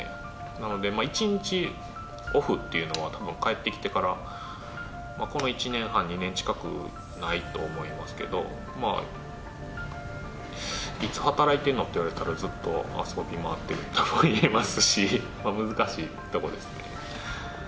なので、１日オフっていうのは、たぶん帰ってきてからこの１年半、２年近くないと思いますけど、まあ、いつ働いてるのって言われたらずっと遊び回ってるともいえますし、難しいところですね。